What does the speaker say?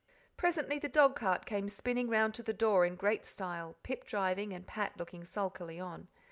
Presently the dogcart came spinning round to the door in great style, Pip driving and Pat looking sulkily on.